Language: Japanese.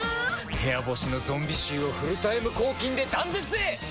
部屋干しのゾンビ臭をフルタイム抗菌で断絶へ！